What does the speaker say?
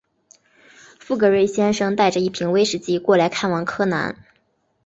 富格瑞先生带着一瓶威士忌过来看望柯南。